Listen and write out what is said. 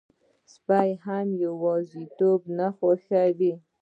سپي هم یواځيتوب نه خوښوي.